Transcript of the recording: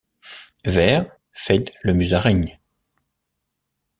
Vère, feit le muzaraigne.